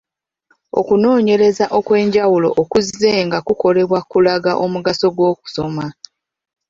Okunoonyereza okw’enjawulo okuzzenga kukolebwa kulaga omugaso gw’okusoma.